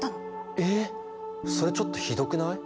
それちょっとひどくない？